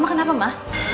mama kenapa sih ma